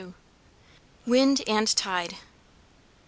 WIND AND TIDE.